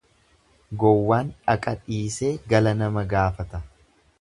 Gowwaan dhaqa dhiisee gala nama gaafata.